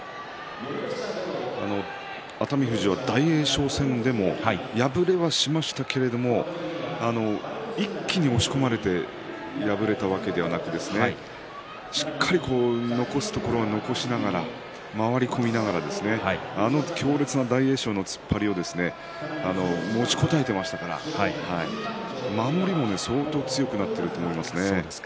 熱海富士は大栄翔戦でも敗れはしましたけど一気に押し込まれて敗れたわけではなくてしっかり残すところは残しながら回り込みながらあの強烈な大栄翔の突っ張りを持ちこたえていましたから守りも相当強くなっていると思いますね。